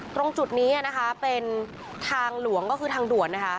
ตรงจุดนี้นะคะเป็นทางหลวงก็คือทางด่วนนะคะ